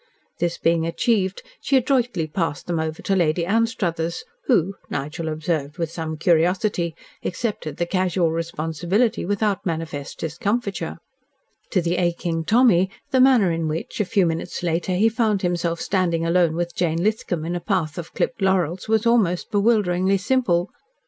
This being achieved, she adroitly passed them over to Lady Anstruthers, who, Nigel observed with some curiosity, accepted the casual responsibility without manifest discomfiture. To the aching Tommy the manner in which, a few minutes later, he found himself standing alone with Jane Lithcom in a path of clipped laurels was almost bewilderingly simple.